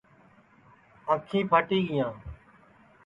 آنکھِیں پھاٹی گینیاں